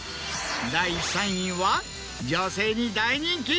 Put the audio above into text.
第３位は女性に大人気！